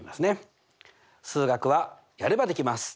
数学はやればできます！